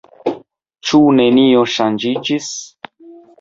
Ĉu nenio ŝanĝiĝis?